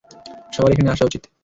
সবার এখানে আসা উচিত।